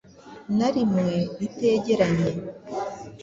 na rimwe itegeranye